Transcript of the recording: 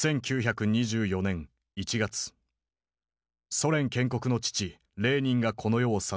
ソ連建国の父レーニンがこの世を去った。